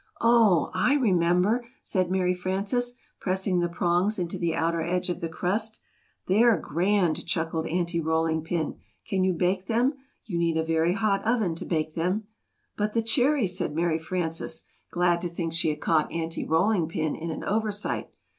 "Oh, I remember!" said Mary Frances, pressing the prongs into the outer edge of the crust. "They're grand!" chuckled Aunty Rolling Pin. "Can you bake them? You need a very hot oven to bake them." "But the cherries!" said Mary Frances, glad to think she had caught Aunty Rolling Pin in an oversight.